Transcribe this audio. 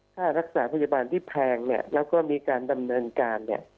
ค่ารักษาพยาบาลที่แพงเนี่ยแล้วก็มีการดำเนินการเนี่ย